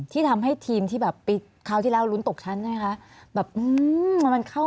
ที่ทำให้ทีมที่แบบปิดคราวที่แล้วลุ้นตกชั้นใช่ไหมคะ